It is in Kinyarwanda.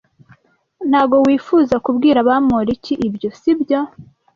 Ntabwo wifuzaga kubwira Bamoriki ibyo, sibyo?